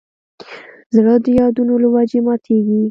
زړه د یادونو له وجې ماتېږي.